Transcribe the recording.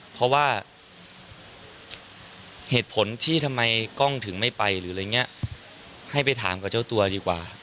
เพราะว่าเหตุผลที่ทำไมกล้องถึงไม่ไปหรืออะไรอย่างนี้ให้ไปถามกับเจ้าตัวดีกว่า